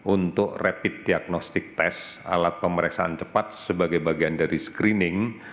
untuk rapid diagnostic test alat pemeriksaan cepat sebagai bagian dari screening